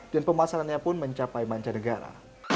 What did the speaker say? dan pemasarannya pun mencapai manca negara